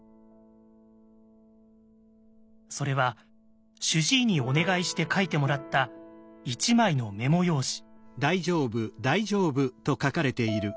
それは主治医にお願いして書いてもらった一枚のメモ用紙。